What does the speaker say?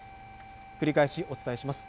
繰り返しお伝えします